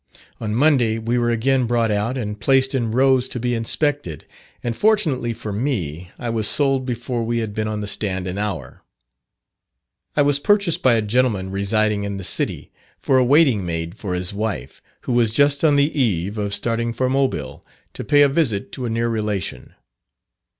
On Monday we were again brought out, and placed in rows to be inspected; and fortunately for me, I was sold before we had been on the stand an hour. I was purchased by a gentleman residing in the city, for a waiting maid for his wife, who was just on the eve of starting for Mobile, to pay a visit to a near relation.